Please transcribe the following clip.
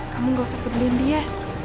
kamu gak usah perlindih ya